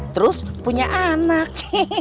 terus punya anak